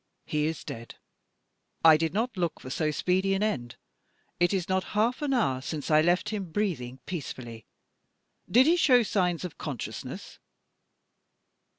"He is dead. I did not look for so speedy an end. It is not half an hour since I left him breathing peacefully. Did he show signs of consciousness?"